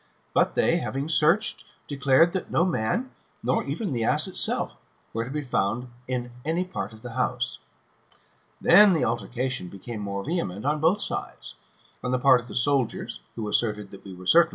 But, they, having searched, declared that no man, nor even the ass itself, were to be found in any part of the house. Then the altercation became more vehement on both sides ; on the part of the soldiers, who ic l.